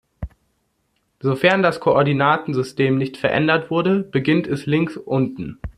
Sofern das Koordinatensystem nicht verändert wurde, beginnt es links unten.